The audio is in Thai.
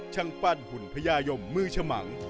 ช่างปั้นหุ่นพญายมมือฉมัง